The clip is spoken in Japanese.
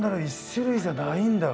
１種類じゃないんだ。